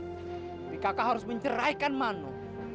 tapi kakak harus menceraikan manu